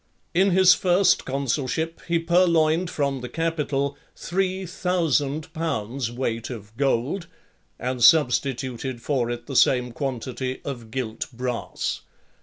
In his first consulship he purloined from the Capitol three thousand pounds' weight of gold, and substituted for it the same quantity of gilt brass.